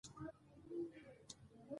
د مفتي صاحب خبرې د خلکو خوښې شوې وې.